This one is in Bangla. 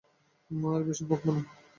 মা, আর বেশি বকব না।